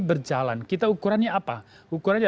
berjalan kita ukurannya apa ukurannya